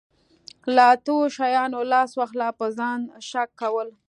له اتو شیانو لاس واخله په ځان شک کول.